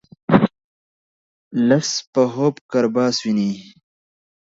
لڅ په خوب کرباس ويني.